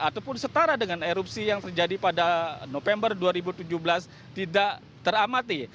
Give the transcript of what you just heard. ataupun setara dengan erupsi yang terjadi pada november dua ribu tujuh belas tidak teramati